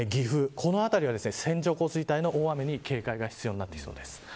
この辺りは線状降水帯の大雨に警戒が必要になってきそうです。